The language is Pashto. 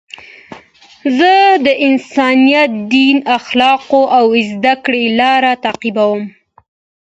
زه د انسانیت، دین، اخلاقو او زدهکړي لار تعقیبوم.